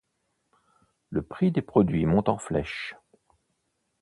Le prix des produits monte en flèche.